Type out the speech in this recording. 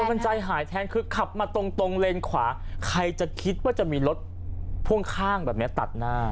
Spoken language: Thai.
มันใจหายแทนคือขับมาตรงตรงเลนขวาใครจะคิดว่าจะมีรถพ่วงข้างแบบนี้ตัดหน้า